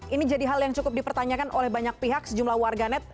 ini jadi hal yang cukup dipertanyakan oleh banyak pihak sejumlah warganet